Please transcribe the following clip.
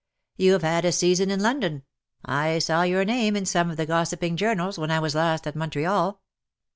^' You have had a season in London. I saw your name in some of the gossip ing journals, when I was last at Montreal.